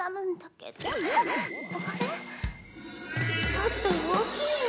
ちょっと大きいよ